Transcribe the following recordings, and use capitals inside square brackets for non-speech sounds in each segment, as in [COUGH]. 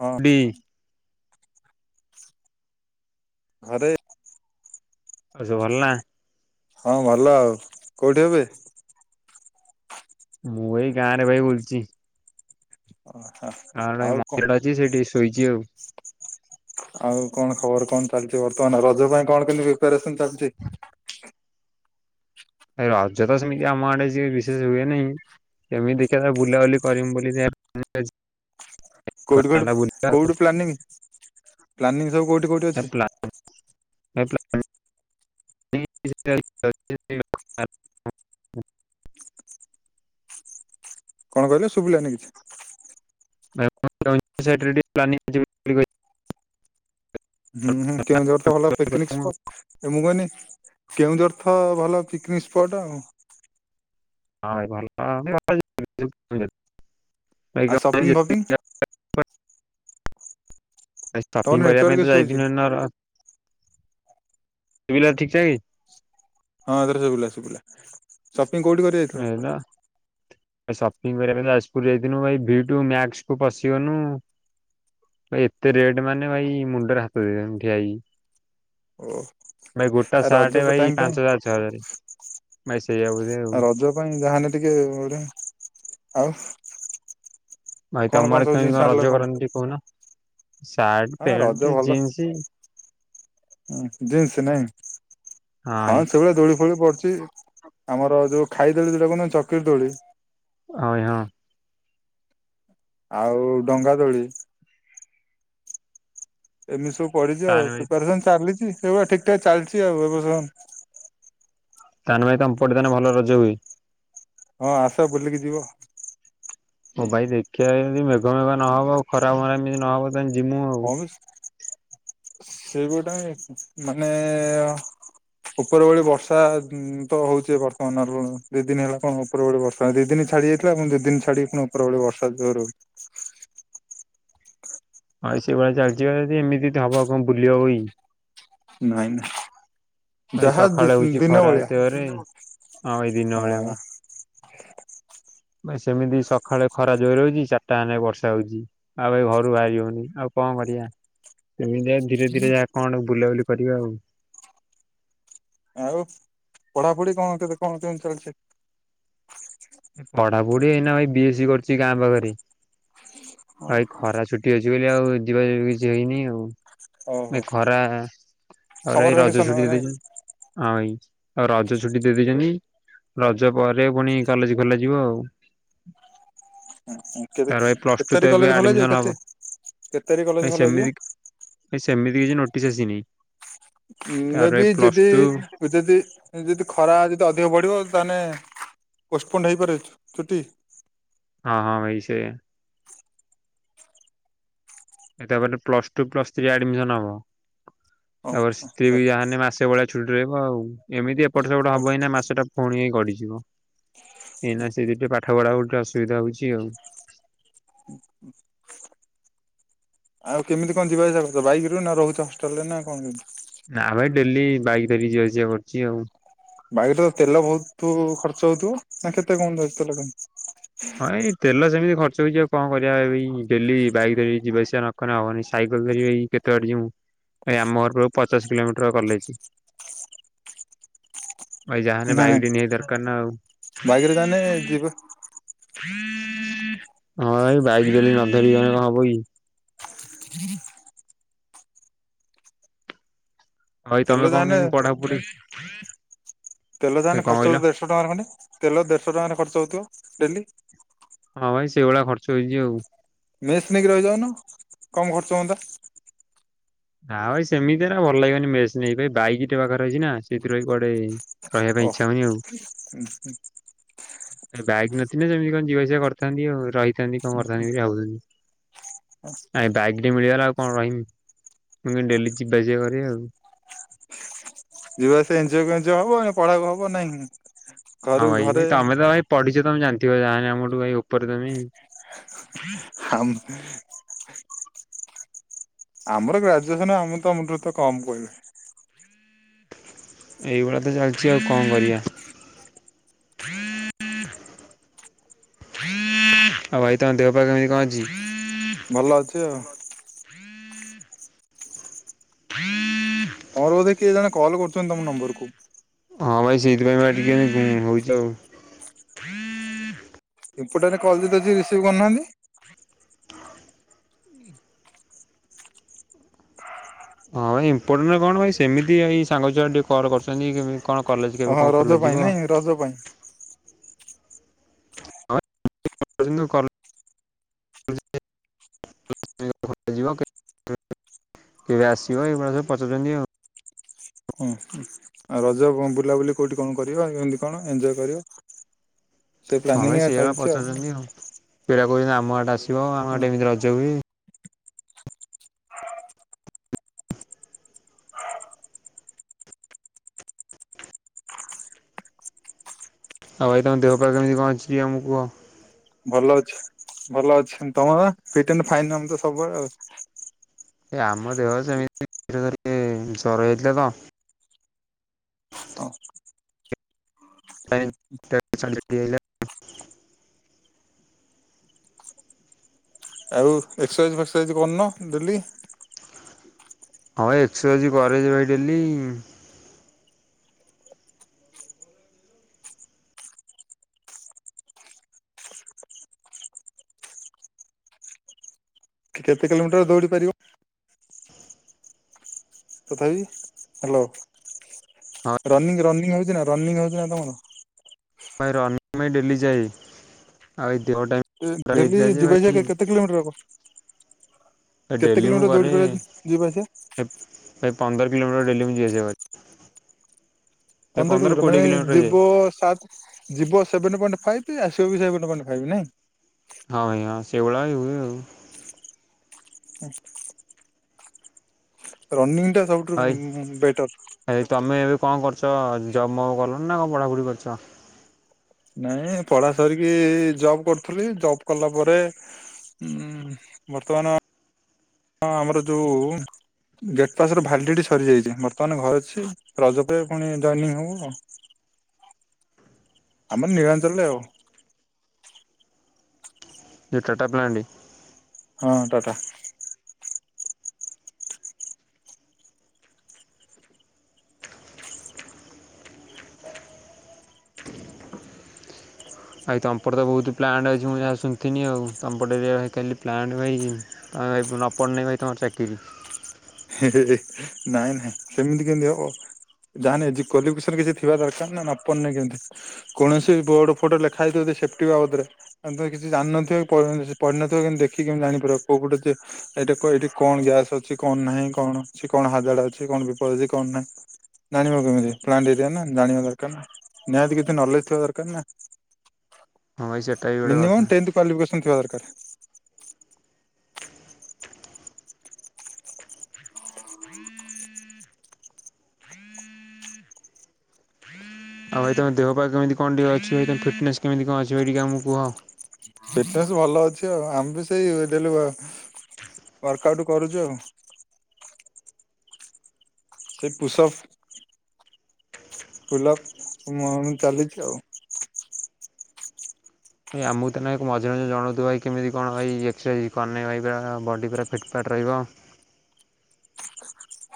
ହଁ ଟି ଘରେ ଆଉ ସବୁ ଭଲ ନା? ହଁ ଭଲ ଆଉ କୋଉଠି ଏବେ? ମୁଁ ଏଇ ଗାଁ ରେ ଭାଇ ବୁଲଚି। ଓହୋ। ହଁ ଏଇ ଆଉ କଣ ମନ୍ଦିର ଟେ ଅଛି ସେଇଠି ଶୋଇଛି ଆଉ। ଆଉ କଣ ଖବର କଣ ଚାଲିଛି ବର୍ତ୍ତମାନ ରଜ ପାଇଁ କଣ କେମିତି ପ୍ରିପାରେସନ ଚାଲିଛି? ଏ ରଜ ତ ସେମିତି ଆମ ଆଡେ ଏ ବିଶେଷ ହୁଏ ନେହିଁ। କେମିତି ଦେଖିବା ବୁଲାବୁଲି କରିମି ବୋଲି ସେ କୋଉଠି କଉଠି କୋଉଠୁ ପ୍ଲାନିଂ ପ୍ଲାନିଂ ସବୁ କଉଠି କୋଉଠି ଅଛି? [UNINTELLIGIBLE] କଣ କହିଲ ଶୁଭିଲାନି କିଛି? [UNINTELLIGIBLE] ହୁଁ ହୁଁ କେଉଁଝର ତ ଭଲ ପିକନିକ ସ୍ପଟ, ମୁ କନି କେଉଁଝର ତ ଭଲ ପିକନିକ ସ୍ପଟ ଆଉ। ହଁ ଭାଇ ଭଲ [UNINTELLIGIBLE] ଆଉ ସପିଙ୍ଗ ଫପିଂ? ଏ ତମର ସପିଂ କରିବା ନେଟୱାର୍କ ପାଇଁ ତ ଇସୁ ହଉଛି ଯାଇଥିନୁ ହେନ ସୁବିଲା ଠିକ୍ ଠାକ୍। ହଁ ଏଥର ଶୁଭିଲା ଶୁଭିଲା ସପିଙ୍ଗ କୋଉଠି କରି ଯାଇଥିଲ? ସପିଙ୍ଗ କରିବା ପାଇଁ ଯାଜପୁର ଯାଇଥିନୁ ଭାଇ ଭି ଟୁ ମ୍ୟାକ୍ସ କୁୁ ପଶି ଗନୁ ଭ ଏତେ ରେଟ୍ ମାନେ ଭାଇ ମୁଣ୍ଡରେ ହାତ ଦେଇଦେନୁ ଠିଆ ହେଇକି। ଓ ଭାଇ ଗୋଟା ଆଉ ରଜ ସାର୍ଟ ଟାଇମ ଭାଇ ପାଇଁ ପାଞ୍ଚ ହଜାର ଛଅ ହଜାର ଭାଇ ସେଇଆ ବଧ ଆଉ। ରଜ ପାଇଁ ଯାହାନେ ଟିକେ ଗୋଟେ ଆଉ ଭାଇ କଣ ତମଆଡେ ସବୁ କେମିତି ଜିନିଷ କଣ ଆଣିଲ ରଜ କରନ୍ତିି? କହୁନ ସାର୍ଟ ହଁ ରଜ ପ୍ୟାଣ୍ଟ ଜିନ୍ସ। ହଁ ଜିନ୍ସ ନାଇଁ ହଁ ସେଭଳିଆ ଦୋଳି ଫୋଳି ପଡୁଛି। ଆମର ଯୋଉ ଖାଇଦୋଳି ଯଉଟା କହୁହନ୍ତି ଚକିରୀ ଦୋଳି ଅ ଏ ହଁ। ଆଉ ଡଙ୍ଗା ଦୋଳି। ଏମିତି ସବୁ ପଡି ଚି ଆଉ ତାହେଲେ ଭାଇ ପ୍ରିପାରେସନ ଚାଲିଛି ସେଇଭଳିଆ ଠିକ ଠାକ ଚାଲିଛି ଆଉ ଏ ବସ ତାନେ ଭାଇ ତମ୍ ପଟେ ତାନେ ଭଲ ରଜ ହୁଏ? ହଁ ଆସ ବୁଲିକି ଯିବ। ଓ ଭାଇ ଦେଖିବା ଏମତି ମେଘ ମେଘ ନହବ ଆଉ ଖରାପ ମରା ଏମିତି ନହବ ତାନେ ଜୀମୁ। ହଁ ସେ ଗୋଟା ମାନେ ଉପର ଓଳି ବର୍ଷା ତ ହଉଛି ବର୍ତ୍ତମାନର ଦି ଦିନ ହେଲା କଣ ଉପରଳି ବର୍ଷା ଦି ଦିନ ଛାଡି ଯାଇଥିଲା ପୁଣି ଦି ଦିନ ଛାଡିକି ପୁଣି ଉପର ଓଳି ବର୍ଷା ଜୋର ହୋଉଚି। ଭାଇ ସେଭଳିଆ ଚାଲିଛିି ଏମିତି ହବ କଣ ବୁଲିବ ହବ କି? ନାଇଁ। ଭାଇ ଯାହା ସକାଳେ ହଉଛି ଦିନ ଖରା ବଳିଆ ଏତେ ଜୋରେ ହଁ ଭାଇ ଦିନ ବେଳିଆ ବା। ହଁ। ସେମିତି ସକାଳେ ଖରା ଜୋର ରହୁଛି ଚାରିଟା ହେନେ ବର୍ଷା ଜୋର ହଉଛି। ଆଉ ଭାଇ ଘରୁ ବାହାରି ହଉନି ଆଉ କଣ କରିଆ ଏମିତି ଯା ଧୀରେ ଧୀରେ ଯାହା କଣ ବୁଲାବୁଲି କରିବା ଆଉ ଆଉ ପଢାପଢି କଣ କେତେ କଣ କେମତି ଚାଲିଛି? ପଢା ପଢି ଏଇନା ଭାଇ ବି ଏସ୍ ସି କରୁଛି ଗାଁ ପାଖରେ ଆଉ ଏଇ ଖରା ଛୁଟି ଅଛି ବୋଲି ଆଉ ଯିବାଯିବି କିଛି ହେଇନି ଆଉ ଏ ଓହୋ ଖରା ଆଉ ସମର ଏଇ ରଜ ଭ୍ୟାକେସନ ଛୁଟି ନାଇଁ ଦେଇଛନ୍ତି। ଅଇ ଆଉ ରଜ ଛୁଟି ଦେଇ ଦେଇଛନ୍ତି। ରଜ ପରେ ପୁଣି କଲେଜ ଖୋଲା ଯିବ ଆଉ କେତେ ତାର ଏ କେତେ ପ୍ଲସ ଟୁ ତାରିଖ ତ କଲେଜ ଏବେ ଖୋଲା ଯିବ ଆଡମିସନ କେତେ ହବ କେତେ ତାରିଖ କଲେଜ ଭଭାଇ ଖୋଲା ଯିବ ସେମିତି ଭାଇ ସେମିତି କିଛି ନୋଟିସ ଆସିନି। ମେ ତାପରେ ବି ପ୍ଲସ ଯଦି ଟୁ ଯଦି ଯଦି ଖରା ଯଦି ଅଧିକ ବଢ଼ିବ ତାହେଲେ ପୋଷ୍ଟପୋଣ୍ଡ ହେଇପାରେ ଛୁଟି। ହଁ ହଁ ଭାଇ ସେ ଏ ତାପରେ ପ୍ଲସ ଟୁ ପ୍ଲସଥ୍ରୀ ଆଡମିସନ ହବ ଓ ତାପରେ ସେ ଆଚ୍ଛା ବି ଯାହେନେ ମା ସେ ଭଳିଆ ଛୁଟି ରହିବ ଆଉ ଏମିତି ଏପଟ ସେପଟ ଓ ହବ ଏଇନା ମାସଟା ପୁଣି ହେଇ ଗଡିଯିବ ଏଇନା ସେ ଦି ପାଠ ପଢାପଢି ଟା ଅସୁବିଧା ହଉଛି ଆଉ ହୁଁ ହୁ ଆଉ କେମିତି କଣ ଯିବା ଆସିଆ କରିଛ ବାଇକ୍ ରେ ନା ରହୁଛି ହଷ୍ଟେଲରେ ନା କଣ କେ ନା ଭାଇ ଡେଲି ବାଇକ ଥରି ଯିିବାଆସିବା କରୁଛି ଆଉ ବାଇରେ ତ ତେଲ ବହୁତୁ ଖର୍ଚ୍ଚ ହଉଥିବ ନା କେତେ କଣ ଯାଉଛି ତେଲ ଟା [UNINTELLIGIBLE] ତେଲ ସେମିତି ଖର୍ଚ୍ଚ ହେଇଯିବ କଣ କରିବା ଭାଇ ଡେଲି ବାଇକ୍ ଧରିକି ଯିବା ଆସିବା ନକଲେ ହବନି ସାଇକେଲ ଧରିବି କେତେ ବାଟ ଯିବୁ ଭାଇ ଆମ ଘର ପାଖରୁ ପଚାଶ କିଲୋମିଟର କଲେଜ ଭାଇ ଯାହା ହେଲେ ନାଇଁ ବାଇକ୍ ଟେ ନିହାତି ଦରକାର ନା ଆଉ ବାଇକରେ ତାହେଲେ ଯିବା ହଁ ଏଇ ବାଇକ ଡେଲି ନ ଧରି ଗଲେ କଣ ହବ କି? ଭାଇ ତେଲ ତମେ କଣ ଯାହାନେ କେମିତି ପଢାପଢି ତେଲ କଣ ଯାହାହେଲେ ଖର୍ଚ୍ଚ କହିଲ? ହଉଥିବ ଦେଢଶହ ଟଙ୍କାରେ ଖଣ୍ଡେ ତେଲ ଦେଢଶହ ଟଙ୍କାରେ ଖର୍ଚ୍ଚ ହଉଥିବ ଡେଲି ହଁ ଭାଇ ସେଇଭଳିଆ ଖର୍ଚ୍ଚ ହେଇଛି ଆଉ ମେସ୍ ନେଇକି ରହିଯାଉନ କମ ଖର୍ଚ୍ଚ ହୁଅନ୍ତା। ନା ଭାଇ ସେମିତି ନା ଭଲ ଲାଗିବନି ମେସ୍ ନେଇକରି ବାଇକ୍ ଟେ ପାଖରେ ଅଛି ନା ସେଇଥିରୁ ଭାଇ କୁଆଡେ ରହିବା ପାଇଁ ଇଚ୍ଛା ଓ ହଉନି ଆଉ ହୁଁ ହୁଁ ବାଇକ୍ ନଥିଲେ ସେମିତି କଣ ଯିବା ଆସିବା କରିଥାନ୍ତି ଆଉ ରହିଥାନ୍ତି। କଣ କରିଥାନ୍ତି ବୋଲି ଭାବୁଥିଲି ଆ ବାଇକ୍ ମିଳିଗଲା ଆଉ କଣ ରହିମି। ମୁଁ କିନ୍ତୁ ଡେଲି ଯିବା ଆସିବା କରେ ଆଉ ଯିବା ଆସିବା ଏଞ୍ଜେଓ କୁ ଏଞ୍ଜେଓ ହେବ ପଢାକୁ ହବ ନାହିଁଁ ହଁ ଭାଇ ଭାଇ ତମେ ତ ଭାଇ ପଢିଛ ତମେ ଜାଣିଥିବ ଯାହା ଆମଠୁ ଭାଇ ଉପରେ ତମେ ଆମ ଆମର ଗ୍ରାଜୁଏସନ ଆମେ ତମଠୁ ତ କମ୍ କହିବେ ଏଇଭଳିଆ ତ ଚାଲିଛି ଆଉ କଣ କରିବା। ଆଉ ଭାଇ ତମ ଦେହ ପାଗ କେମିତି କଣ ଅଛି? ଭଲ ଅଛି ଆଉ [INAUDIBLE] ତମର ବୋଧେ କିଏ ଜଣେ କଲ୍ କରୁଛନ୍ତି ତମ ନମ୍ବର କୁ ହଁ ଭାଇ ସେଇଥିପାଇଁ ବା ଟିକେ ଘୁଁ ଘୁଁ ହଉଛି ଆଉ ଇମ୍ପୋଟାଣ୍ଟ କଲ୍ ଯଦି ଅଛି ରିସିଭ୍ କରୁନାହାନ୍ତି। ହଁ ଭାଇ ଇମ୍ପୋର୍ଟାଣ୍ଟ କଣ ଭାଇ ସେମିତି ଭାଇ ସାଙ୍ଗ ଛୁଆ ଟିକେ କଲ କରୁଛନ୍ତି କେବେ। କଣ କଲେଜ କେବେ ହଁ କଣ ରଜ ଖୋଲା ପାଇଁ ଯିବ। ନାଇଁ ରଜ ପାଇଁ। ମତେ କିନ୍ତୁ କଲେଜ [UNINTELLIGIBLE] କେବେ ଆସିବ ଏଇଭଳିଆ ସବୁ ପଚାରୁଛନ୍ତି ଆଉ। ହଁ। ଆଉ ରଜରେ କଣ ବୁଲାବୁଲି କୋଉଠି କଣ କରିବ କେମିତି କଣ ଏଞ୍ଜୟ୍ କରିବ? ସେ ହଁ ଭାଇ ପ୍ଲାନିଂ ଏଇଆ ସେଇଭଳିଆ ଚାଲିଚି ଆଉ। ପଚାରୁଛନ୍ତି ପିଲା କହୁଛନ୍ତି ଆମ ଆଡେ ଆସିବ ଆମ ହଁ ଇଆଡେ ଏମିତି ରଜ ହୁଏ। ସମସ୍ତଙ୍କ ଦେହ ପା କେମିତି କଣ ଅଛି ଆମକୁ କୁହ? ଭଲ ଅଛି ଭଲ ଅଛି ତମର ଫିଟ ଆଣ୍ଡ୍ ଫାଇନ୍ ଆମେ ତ ସବୁବେଳେ ଆଉ। ଏ ଆମ ଦେହ ସେମିତି [UNINTELLIGIBLE] ଏ ଜର ହେଇଥିଲା ତ। ହଉ। [UNINTELLIGIBLE] ଆଉ ଏକ୍ସରସାଇଜ ଫେକ୍ସରସାଇଜ କରୁନ ଡେଲି। ହଁ ଏକ୍ସରସାଇଜ କରେ ଯେ ଭାଇ ଡେଲି କି କେତେ କିଲୋମିଟର ଦୌଡି ପାରିବ। ତଥାପି ହ୍ୟାଲୋ ହଁ ରନିଂ ରନିଂ ହଉଛି ନା ରନିଂ ହଉଛି ନା ତମର? ଭାଇ ର ପାଇଁ ଡେଲି ଯାଏ ଆଉ ଏ ଦେହ ଟାଇ ଡେଲି ଯିବା ଆସିବା କେତେ? କେତେ କିଲୋମିଟର ହବ କେତେ କିଲୋମିଟର ଦୌଡି ପାରିବ ଯିବା ଆସିବା? ଏ ଭାଇ ପନ୍ଦର କିଲୋମିଟର ଡେଲି ମୁଁ ଯିବା ଆସିବ। ପନ୍ଦର କିଲୋମିଟର କୋଡ଼ିଏ ମାନେ ହେଇଯାଏ ଯିବ ସାତ ଯିବ ସେଭେନ ପଏଣ୍ଟ ଫାଇପି ଆସିବ ବି ସେଭେନ ପଏଣ୍ଟ ଫାଇପି ନାଇଁ। ହଁ ଆଜ୍ଞା ସେଭଳିଆ ଏଭଳିଆ ଆଉ। ରନିଙ୍ଗ ଟା ସବୁଠୁରୁ ବେଟର। ଭାଇ ତମେ ଏବେ କଣ କରୁଛ ଜବ୍ ମବ୍ କଲଣି ନା କଣ ପଢ଼ାପୁଢ଼ି କରିଛ? ନାଇଁ ପଢ଼ା ସାରିକି ଜବ କରୁଥିଲି ଜବ କଲା ପରେ ଉଁ ବର୍ତ୍ତମାନ ଆମର ଯୋଉ ଗେଟ୍ ପାସର ଭ୍ୟାଲିଡିଟି ସରିଯାଇଛି ବର୍ତ୍ତମାନ ଘରେ ଅଛି ରଜ ପରେ ପୁଣି ଜଏନିଙ୍ଗ ହୋମୁ ଆଉ। ଆମର ନିଳାଞ୍ଚଳରେ ଆଉ। ଯେ ଟାଟା ପ୍ଲାଣ୍ଡି। ହଁ ଟାଟା। ଭାଇ ତମ ପଟରେ ତ ବହୁତ ପ୍ଲାଣ୍ଟ ଅଛି ମୁଁ ଯାହା ଶୁଣିଥିନି ଆଉ ତମ ପଟ ଏରିଆ ଖାଲି ପ୍ଲାଣ୍ଟ ଭାଇ। ଆଉ ଭାଇ ନ ପଢ଼ିନେ ଭାଇ ତମର ଚାକିରି। ହେ ହେ ନାଇଁ ନାଇଁ ସେମିତି କେମିତି ହବ। ଯାହା ନିଜେ କରିବୁ ସେମିତି ଥିବା ଦରକାର ନା ନ ପଡିନେ କେମିତି କୌଣସି ବୋର୍ଡ ଫୋର୍ଡ ଲେଖା ହେଇଥିବ ଯଦି ସେଫ୍ଟି ବାବଦରେ ତାହେନେ ତ କିଛି ଜାଣିନଥିବ କି ପଢ଼ି ପଢି଼ନଥିବ କେମିତି ଦେଖିକି କେମି ଜାଣିପାରିବ କୋଉ ପଟେ ଯେ ଏଇ ଦେଖ ଏଇଠି କଣ ଗ୍ୟାସ୍ ଅଛି କଣ ନାହିଁ କଣ ଅଛି କଣ ହାଜାଡ୍ ଅଛି କଣ ବିପଦ ଅଛି କଣ ନାହିଁ। ଜାଣିବ କେମିତି ପ୍ଲାଣ୍ଟ ଏରିଆ ନା ଜାଣିବା ଦରକାର ନା ନିହାତି କିଛି ନଲେଜ୍ ଥିବା ଦରକାର ନା। [INAUDIBLE] ବି ଗୋଟେ କଥା। ମିନିମମ୍ ଟେନ୍ଥ କ୍ବାଲିଫିକେସନ୍ ଥିବା ଦରକାର। ଆଉ ଭାଇ ତମ ଦେହ ପା କେମିତି କଣ ଟିକେ ଅଛି ଭାଇ ତମ ଫିଟନେସ୍ କେମିତି କଣ ଅଛି ଭାଇ ଟିକେ ଆମକୁ କୁହ? ଫିଟନେସ୍ ଭଲ ଅଛି ଆଉ। ଆମେ ବି ସେଇ ଡେଲି ୱାର୍କ ଆଉଟ କରୁଛୁ ଆଉ ସେ ପୁସ୍ ଆପ୍ ଫୁଲ୍ ଅପ୍ ଚାଲିଛି ଆଉ। ଭାଇ ଆମକୁ ତ ନେ ଏକ ମଝିରେଝିରେ ଜଣାଉଥିବ ଭାଇ କେମିତି କଣ ଭାଇ ଏକ୍ସରସାଇଜ୍ କନେ ଭାଇ ପୁର ବଡ଼ି ପୁରା ଫିଟ ଫାଟ ରହିବ?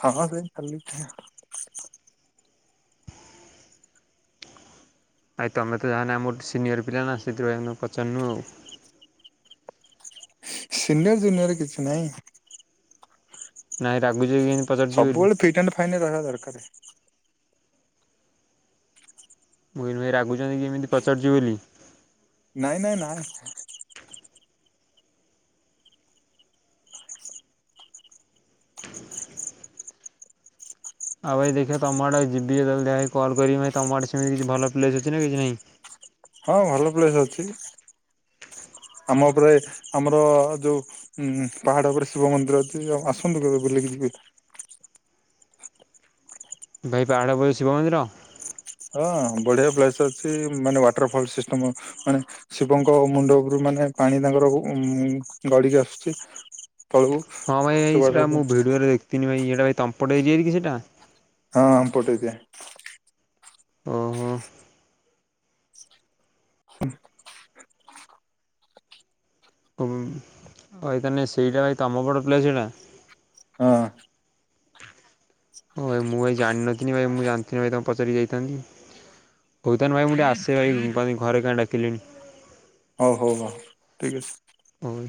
ହଁ ସେ କଲିିତ ଆଇ ତମେ ତ ଯାହାନେ ଆମର ସିନିୟର ପିଲା ନା। ସେଇଥିପାଇଁ ଆମେ ପଚାରୁନୁ ଆଉ। ସିନିୟର ଜୁନିୟର କିଛି ନାହିଁ। ନାଇଁ ରାଗୁଛି କିତି ସବୁବେଳେ ଫିଟ୍ ଆଣ୍ଡ ଫାଇନ ରହିବା ଦରକାର। ମୁଇନ ଭାଇ ରାଗୁଛନ୍ତି କି ଏମିତି ପଚାରୁଛି ବୋଲି? ନାଇଁ ନାଇଁ ନା। ଆଉ ଭାଇ ଦେଖିବା ତମ ଆଡ଼େ ଯିବି ଯହା କଣ କରିବି ଭାଇ ତମରେ ସେମିତି କିଛି ପ୍ଲେସ ଅଛି ନା କିଛି ନାହିଁ? ହଁ ଭଲ ପ୍ଲେସ ଅଛି। ଆମ ଉପରେ ଆମର ଯୋଉ ହୁଁ ପାହାଡ଼ ଉପରେ ଶିବ ମନ୍ଦିର ଅଛି ଆ ଆସନ୍ତୁ କେବେ ବୁଲିକି ଯିବେ। ଭାଇ ପାହାଡ଼ ପୋ ଶିବ ମନ୍ଦିର? ହଁ ବଢି଼ଆ ପ୍ଲେସ୍ ଅଛି ମାନେ ୱାଟର ଫଲ ସିଷ୍ଟମ ମାନେ ଶିବଙ୍କ ମୁଣ୍ଡ ଉପରୁ ମାନେ ପାଣି ତାଙ୍କର ଉ ଗଡି଼କି ଆସୁଛି ତଳକୁ। ହଁ ଭାଇ ସେ ୱାଟର ସେଇଟା ମୁଁ ଫଲ୍ ଭିଡିଓରେ ଦେଖଥିନି ଭାଇ ଏଇଟା ତମ ପଟେ ହେଇଚି କି ସେଟା? ହଁ ଆମ ପଟ ଏରିଆ। ଓହୋ। [INAUDIBLE] ଭାଇ ତାହାନେ ସେଇଟା ଭାଇ ତମ ପଟ ପ୍ଲେସ୍ ସେଟା? ହଁ। ଓ ଭାଇ ମୁଁ ଭାଇ ଜାଣିନଥିଲି ମୁଁ ଜାଣି ଭାଇ ତମକୁ ପଚାରି ଯାଇଥାନ୍ତି। ହୋଉ ତାହାନେ ଭାଇ ମୁଁ ଟିକେ ଆସେ ଭାଇ ଘରେ କାହିଁ ଡାକିଲେଣି। ହୋଉ ହୋଉ ହୋଉ ଠିକ୍ ଅଛି। ଅଉ।